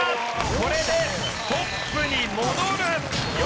これでトップに戻る！